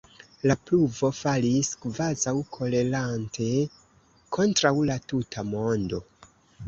La pluvo falis, kvazaŭ kolerante kontraŭ la tuta mondo.